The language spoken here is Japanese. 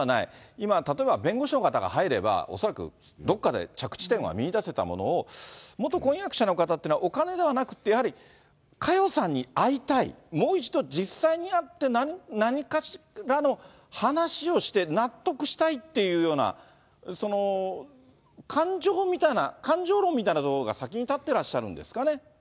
今、確かに弁護士の方が入れば、恐らくどっかで着地点は見いだせたものの、元婚約者の方っていうのは、お金ではなくて、やっぱり佳代さんに会いたい、もう一度実際に会って、何かしらの話をして、納得したいっていうような、その感情みたいな、感情論みたいなところが先に立ってらっしゃるんですかね。